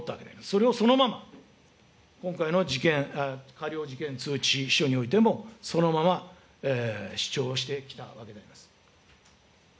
それをそのまま、今回の事件、過料事件通知書においても、そのまま主張してきたわけであります。